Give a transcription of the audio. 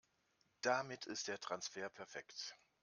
Damit ist der Transfer perfekt.